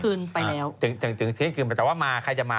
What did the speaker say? ถึงเทียงคืนไปแล้วถึงเทียงคืนแต่ว่ามาใครจะมา